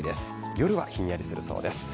夜はひんやりするそうです。